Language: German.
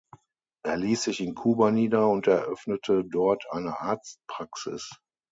Er ließ sich in Kuba nieder und eröffnete dort eine Arztpraxis.